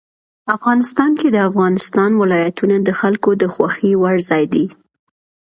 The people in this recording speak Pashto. افغانستان کې د افغانستان ولايتونه د خلکو د خوښې وړ ځای دی.